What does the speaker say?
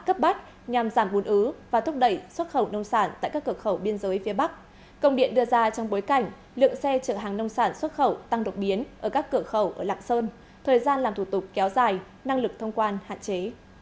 công điện đưa ra trong bối cảnh lượng xe trợ hàng nông sản xuất khẩu tăng độc biến ở các cửa khẩu ở lạng sơn thời gian làm thủ tục kéo dài năng lực thông quan hạn chế